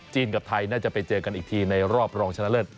กับไทยน่าจะไปเจอกันอีกทีในรอบรองชนะเลิศ